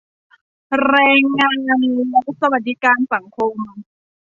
แรงงานและสวัสดิการสังคม